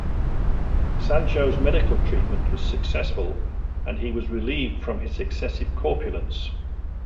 Sancho's medical treatment was successful, and he was relieved from his excessive corpulence.